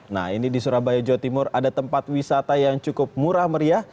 nah ini di surabaya jawa timur ada tempat wisata yang cukup murah meriah